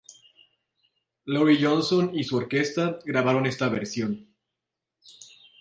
Laurie Johnson y su Orquestra grabaron esta versión.